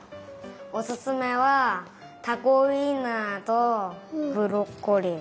おすすめはたこウインナーとブロッコリーです。